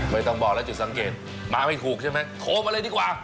ไม่ต้องบอกแล้วจุดสังเกตมาไม่ถูกใช่ไหมโทรมาเลยดีกว่า